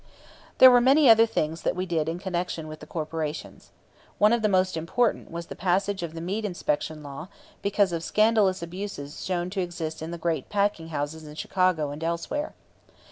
There were many other things that we did in connection with corporations. One of the most important was the passage of the meat inspection law because of scandalous abuses shown to exist in the great packing houses in Chicago and elsewhere.